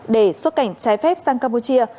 để xuất cảnh trái phép sang campuchia